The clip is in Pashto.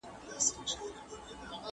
خلکو په ګډه خوشحالي کوله.